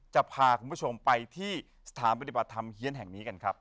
จะพาคุณผู้ชมไปที่สถานปฏิบัติธรรมเฮียนแห่งนี้กันครับ